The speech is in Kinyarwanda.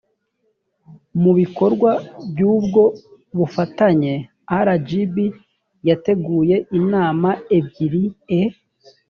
mu ibikorwa by’ubwo bufatanye, rgb yateguye inama ebyiri e